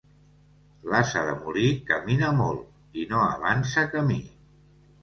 L'ase de molí camina molt i no avança camí.